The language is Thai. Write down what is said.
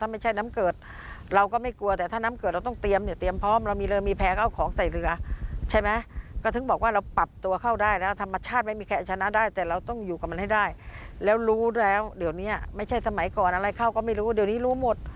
ไม่ใช่สมัยก่อนอะไรเข้าก็ไม่รู้เดี๋ยวนี้รู้หมด